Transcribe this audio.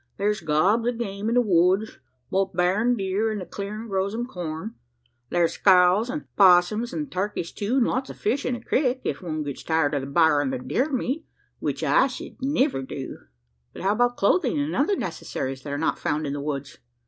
Thar's gobs o' game in the woods both bar an' deer: an' the clarin' grows him corn. Thar's squ'lls, an' 'possum, an' turkeys too; an' lots o' fish in the crik if one gets tired o' the bar an' deer meat, which I shed niver do." "But how about clothing, and other necessaries that are not found in the woods?"